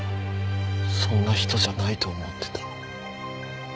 そんな人じゃないと思ってた。